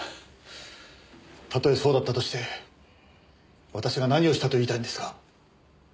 たとえそうだったとして私が何をしたと言いたいんですか？